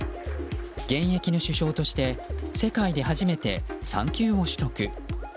現役の首相として世界で初めて産休を取得。